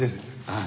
ああ